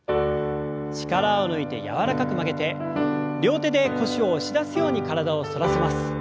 力を抜いて柔らかく曲げて両手で腰を押し出すように体を反らせます。